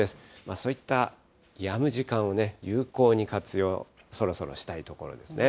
そういったやむ時間をね、有効に活用、そろそろしたいところですね。